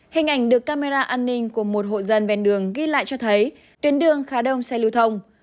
hình ảnh được camera an ninh của một hộ dân ven đường ghi lại cho thấy tuyến đường khá đông xe lưu thông